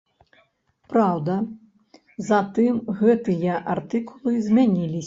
Праўда, затым гэтыя артыкулы змяніліся.